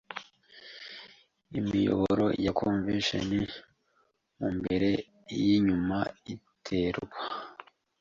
Imiyoboro ya convection mumbere yinyuma iterwa